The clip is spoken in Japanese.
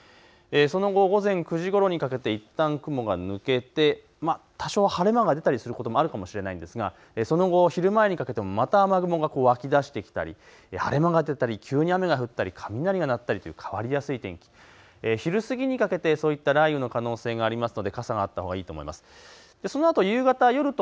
その後午前９時ごろにかけていったん雲が抜けて多少晴れ間が出たりすることもあるかもしれないんですがその後、昼前にかけてもまた雨雲が湧き出してきたり晴れ間が出たり急に雨が降ったり雷が鳴ったりという変わりやすい天気、昼過ぎにかけてそういった雷雨の可能性がありますので傘があったほうがいいと思います。